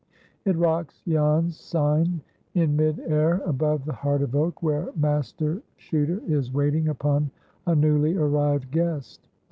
It rocks Jan's sign in mid air above the Heart of Oak, where Master Chuter is waiting upon a newly arrived guest.